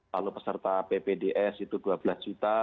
lalu peserta ppds itu dua belas juta